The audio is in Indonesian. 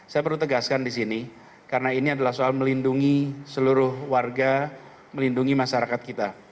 saya perlu tegaskan di sini karena ini adalah soal melindungi seluruh warga melindungi masyarakat kita